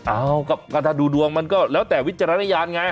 อ้าวก็ถ้าดูดวงมันก็แล้วแต่วิจารณญาณไง